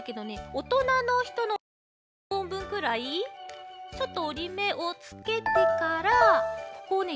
おとなのひとのおやゆび１ぽんぶんくらいちょっとおりめをつけてからここをね